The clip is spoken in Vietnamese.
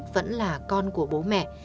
vẫn là con của bố mẹ